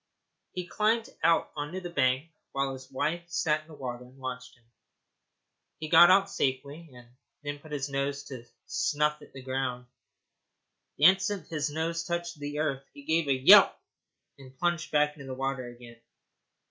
He climbed out on the bank while his wife sat in the water and watched him. He got out safely, and then put his nose down to snuff at the ground. The instant his nose touched the earth he gave a yelp, and plunged back into the water again.